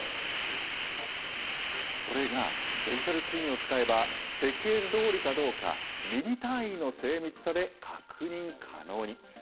それが、デジタルツインを使えば、設計図どおりかどうか、ミリ単位の精密さで確認可能に。